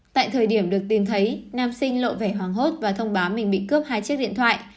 tại thời điểm được tìm thấy nam sinh lộ vẻ hoảng hốt và thông báo mình bị cướp hai chiếc điện thoại